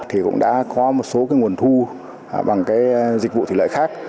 thì cũng đã có một số nguồn thu bằng dịch vụ thủy lợi khác